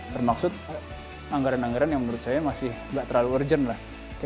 bermaksud anggaran anggaran yang menurut saya masih tidak terlalu urgent